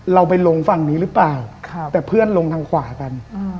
เราไปลงฝั่งนี้หรือเปล่าแต่เพื่อนลงทางขวากัน